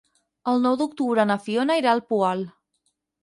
El nou d'octubre na Fiona irà al Poal.